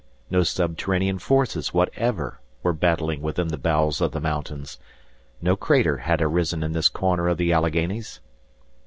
No subterranean forces whatever were battling within the bowels of the mountains. No crater had arisen in this corner of the Alleghanies.